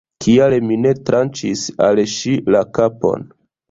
Kial mi ne tranĉis al ŝi la kapon?